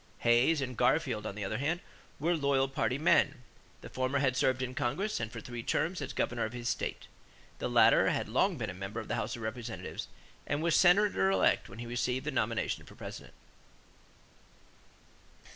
Hayes and Garfield on the other hand were loyal party men. The former had served in Congress and for three terms as governor of his state. The latter had long been a member of the House of Representatives and was Senator elect when he received the nomination for President.